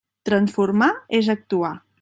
Transformar és actuar.